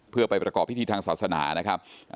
เพื่อไปประกอบพิธีทางศาสนานะครับ